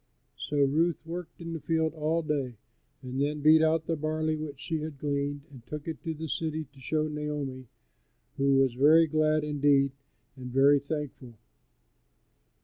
So Ruth worked in the field all day, and then beat out the barley which she had gleaned and took it to the city to show Naomi, who was very glad, indeed, and very thankful.